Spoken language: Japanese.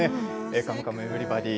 「カムカムエヴリバディ」